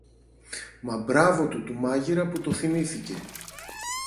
Μα μπράβο του του μάγειρα που το θυμήθηκε!